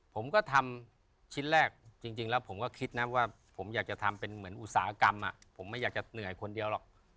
ผมก็ทำชิ้นแรกจริงแล้วผมก็คิดนะว่าผมอยากจะทำเป็นเหมือนอุตสาหกรรมผมไม่อยากจะเหนื่อยคนเดียวหรอก